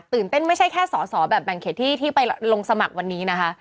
เตี้ยนเต้นไม่ใช่แค่สอเหาะแบนเครตที่ไปลงสมัครวันนี้นะคะ